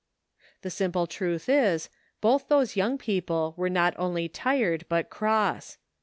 The simple truth is, both those young people were not only tired but cross.